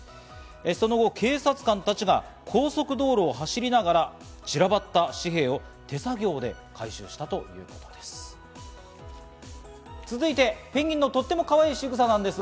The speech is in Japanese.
その後、警察官たちが高速道路を走りながら散らばった紙幣を手作業で回収したということです。